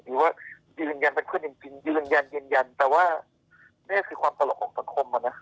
หรือว่ายืนยันเป็นเพื่อนจริงยืนยันยืนยันยืนยันแต่ว่านี่คือความตลกของสังคมอ่ะนะ